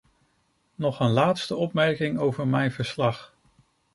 Nog een laatste opmerking over mijn verslag.